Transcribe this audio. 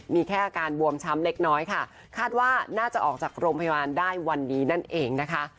มีแค่อาการบวมช้ำเล็กน้อยค่ะคาดว่าน่าจะออกจากโรงพยาบาลได้วันนี้นั่นเองนะคะ